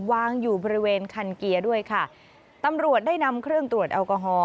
วางอยู่บริเวณคันเกียร์ด้วยค่ะตำรวจได้นำเครื่องตรวจแอลกอฮอล